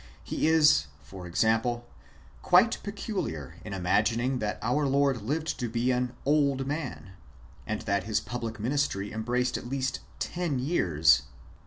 He is, for example, quite peculiar in imagining that our Lord lived to be an old man, and that His public ministry embraced at least ten years.